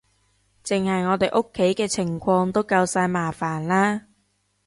淨係我哋屋企嘅情況都夠晒麻煩喇